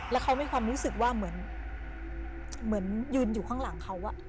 แล้วเขามีความรู้สึกว่าเหมือนยืนอยู่ข้างหลังเขา